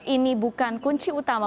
ini bukan kunci utama